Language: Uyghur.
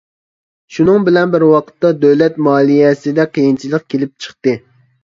شۇنىڭ بىلەن بىر ۋاقىتتا، دۆلەت مالىيەسىدە قىيىنچىلىق كېلىپ چىقتى.